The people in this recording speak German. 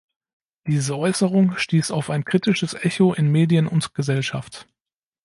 Diese Äußerung stieß auf ein kritisches Echo in Medien und Gesellschaft.